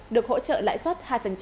được hỗ trợ lãi suất hai